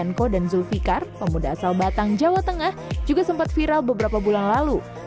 menko dan zulfikar pemuda asal batang jawa tengah juga sempat viral beberapa bulan lalu